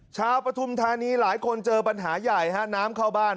เช้าประทุมธานีหลายคนเจอปัญหาใหญ่น้ำเข้าบ้าน